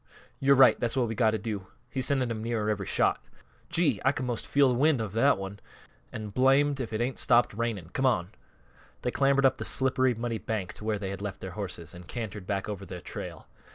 "Yo're right; that's what we've got to do. He's sending 'em nearer every shot Gee! I could 'most feel th' wind of that one. An' blamed if it ain't stopped raining. Come on." They clambered up the slippery, muddy bank to where they had left their horses, and cantered back over their trail.